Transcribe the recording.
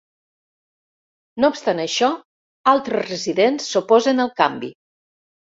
No obstant això, altres residents s'oposen al canvi.